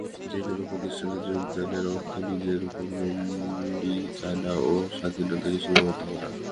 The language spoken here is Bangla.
যে কোন প্রতিষ্ঠানে যোগদানের অর্থ নিজের উপর গণ্ডী টানা ও স্বাধীনতাকে সীমাবদ্ধ করা।